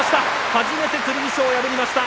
初めて剣翔を破りました。